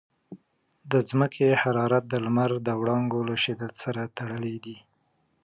د ځمکې حرارت د لمر د وړانګو له شدت سره تړلی دی.